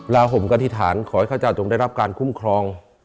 ลาห่มกันอธิษฐานขอให้เขาจะจงได้รับการคุ้มครอง